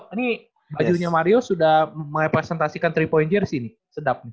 ini bajunya mario sudah merepresentasikan tiga point jersi nih sedap